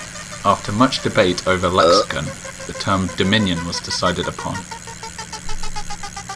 After much debate over lexicon, the term 'Dominion' was decided upon.